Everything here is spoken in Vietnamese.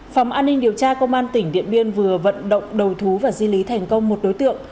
phòng an ninh điều tra công an tỉnh điện biên vừa vận động đầu thú và di lý thành công một đối tượng